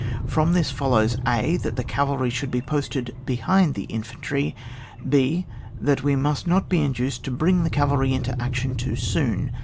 From this follows :— (a ) That the cavalry should be posted behind the infantry. {h.) That we must not be induced to bring the cavalry into action too soon.